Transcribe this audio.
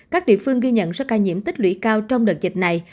các địa phương ghi nhận số ca nhiễm tích lũy cao trong đợt dịch này